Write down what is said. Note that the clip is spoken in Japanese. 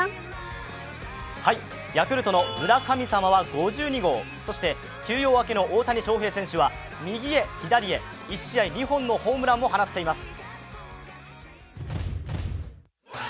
ヤクルトの村神様は５６号、そして休養明けの大谷翔平選手は右へ、左へ、１試合２本のホームランを放っています。